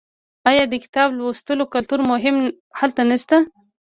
آیا د کتاب لوستلو کلتور هلته نشته؟